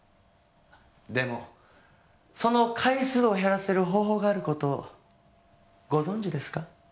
でもその回数を減らせる方法がある事ご存じですか？